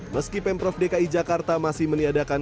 meski pemprov dki jakarta masih meniadakan